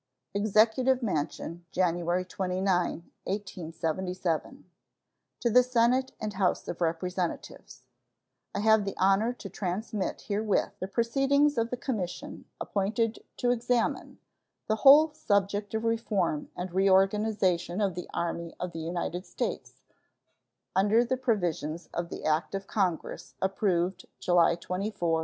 EXECUTIVE MANSION, January 29, 1877. To the Senate and House of Representatives: I have the honor to transmit herewith the proceedings of the commission appointed to examine "the whole subject of reform and reorganization of the Army of the United States," under the provisions of the act of Congress approved July 24, 1876.